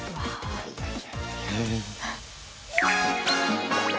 いやいや。